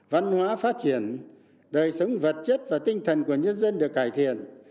văn hóa phát triển đời sống vật chất và tinh thần của nhân dân được cải thiện